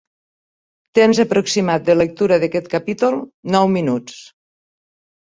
Temps aproximat de lectura d'aquest capítol: nou minuts.